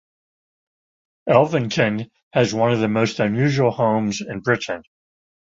Elvington has one of the most unusual homes in Britain.